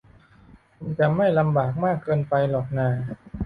คุณจะไม่ลำบากมากเกินไปหรอกน่า